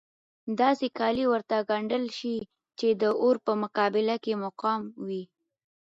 داسې کالي ورته ګنډل شي چې د اور په مقابل کې مقاوم وي.